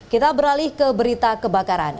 kita beralih ke berita kebakaran